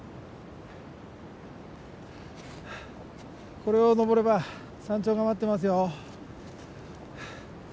これを登れば山頂が待ってますよ。